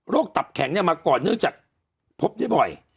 ตับแข็งมาก่อนเนื่องจากพบได้บ่อย